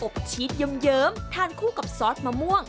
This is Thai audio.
ชีสเยิ้มทานคู่กับซอสมะม่วง